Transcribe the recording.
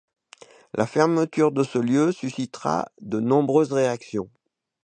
La fermeture de ce lieu suscitera de nombreuses réactions.